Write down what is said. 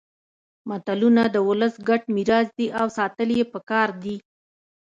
متلونه د ولس ګډ میراث دي او ساتل يې پکار دي